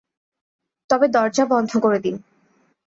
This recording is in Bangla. তবে দরজা বন্ধ করে দিন।